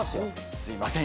すいません